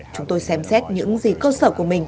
chúng tôi xem xét những gì cơ sở của mình